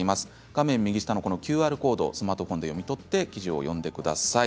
画面右下のＱＲコードをスマートフォンで読み取って記事を読んでください。